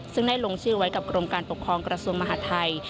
ซึ่งได้ลงชื่อไว้กับกรมการปกครองกระทรวงมหาทัย